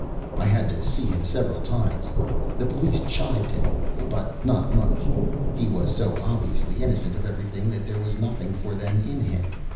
"I had to see him several times. The police chivvied him a little, but not much; he was so obviously innocent of everything that there was nothing for them in him.